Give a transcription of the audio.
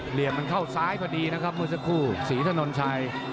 เหลี่ยมมันเข้าซ้ายพอดีนะครับเมื่อสักครู่ศรีถนนชัย